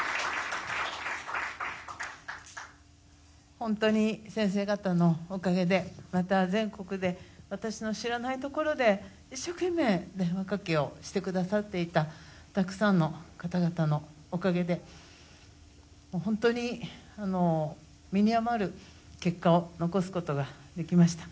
本当に先生方のおかげで、また全国で私の知らないところで一生懸命、電話かけをしてくださっていたたくさんの方々のおかげで本当に身に余る結果を残すことができました。